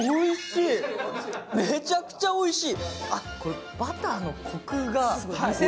めちゃくちゃおいしい。